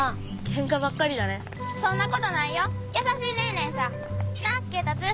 そんなことないよ優しい姉え姉えさな恵達。